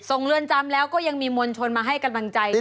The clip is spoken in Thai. ส่งเรือนจำแล้วก็ยังมีมวลชนมาให้กำลังใจอยู่เยอะเยอะ